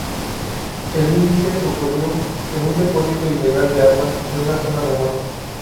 El incidente ocurrió en un depósito ilegal de armas en una zona remota.